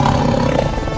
dari mana saja